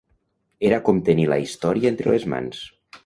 Era com tenir la història entre les mans